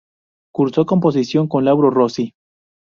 Cursó composición con Lauro Rossi.